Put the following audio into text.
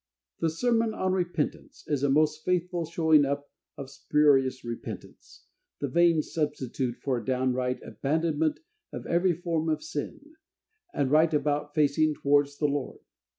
The sermon on Repentance is a most faithful showing up of spurious repentance, the vain substitute for a downright abandonment of every form of sin, and right about facing towards the Lord.